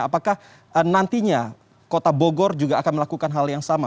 apakah nantinya kota bogor juga akan melakukan hal yang sama